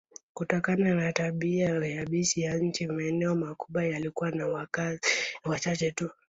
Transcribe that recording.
Kutokana na tabia yabisi ya nchi, maeneo makubwa yalikuwa na wakazi wachache tu.